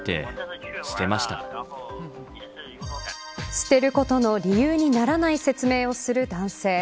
捨てることの理由にならない説明をする男性。